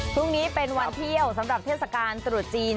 พรุ่งนี้เป็นวันเที่ยวสำหรับเทศกาลตรุษจีน